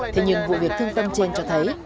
thế nhưng vụ việc thương tâm trên cho thấy